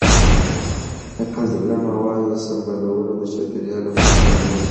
د فاضله موادو سمبالول د چاپیریال لپاره اړین دي.